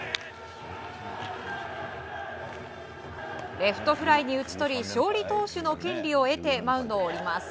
レフトフライに打ち取り勝利投手の権利を得てマウンドを降ります。